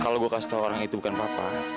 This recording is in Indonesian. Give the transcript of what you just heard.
kalau gua kasih tau orang itu bukan papa